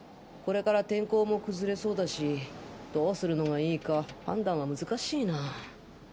これから天候も崩れそうだしどうするのがいいか判断は難しいな。